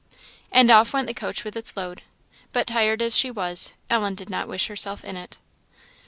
And off went the coach with its load; but, tired as she was, Ellen did not wish herself in it.